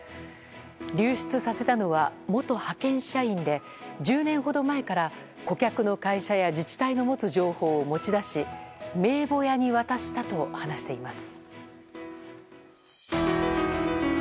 流出させたのは元派遣社員で１０年ほど前から顧客の会社や自治体が持つ情報を持ち出し名簿屋に渡したと話しています。